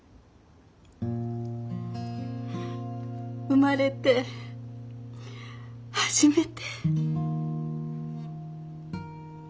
生まれて初めて。